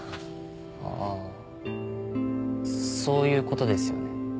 ああそういうことですよね。